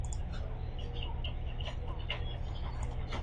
Sus pasatiempos incluyen motocross, pruebas y ciclismo de montaña.